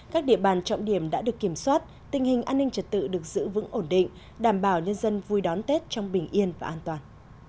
các địa bàn trọng điểm đã được kiểm soát tình hình an ninh trật tự được giữ vững ổn định đảm bảo nhân dân vui đón tết trong bình yên và an toàn